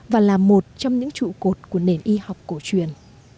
và là một trong những trụ cột của nền y học cổ truyền